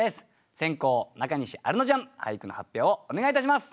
先攻中西アルノちゃん俳句の発表をお願いいたします。